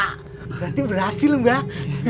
berarti berhasil mbak